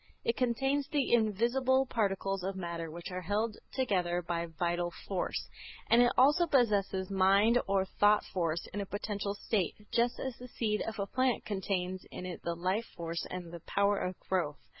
It contains the invisible particles of matter which are held together by vital force, and it also possesses mind or thought force in a potential state, just as the seed of a plant contains in it the life force and the power of growth.